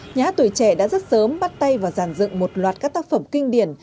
nhà hát tuổi trẻ đã rất sớm bắt tay và giàn dựng một loạt các tác phẩm kinh điển